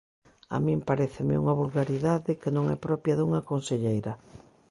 A min paréceme unha vulgaridade que non é propia dunha conselleira.